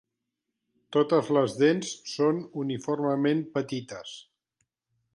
Totes les dents són uniformement petites.